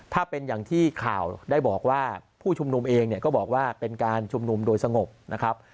ถ้าเป็นอย่างที่ข่าวได้บอกว่าผู้ชุมนุมเองเนี่ยก็บอกว่าเป็นการชุมนุมโดยสงบนะครับ